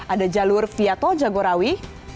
ada jalur via tol jagorawi